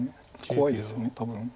怖いです多分。